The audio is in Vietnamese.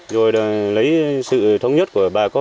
rồi là lấy sự thống nhất của bà con